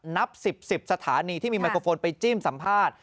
นับ๑๐๑๐สถานีที่มีไมโครโฟนไปจิ้มสัมภาษณ์